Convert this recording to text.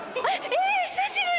えっ久しぶり！